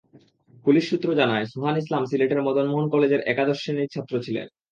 Police সূত্র জানায়, সুহান ইসলাম সিলেটের মদনমোহন কলেজের একাদশ শ্রেণির ছাত্র ছিলেন।